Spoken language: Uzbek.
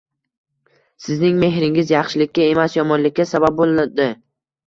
Sizning mehringiz yaxshilikka emas, yomonlikka sabab bo’ldi.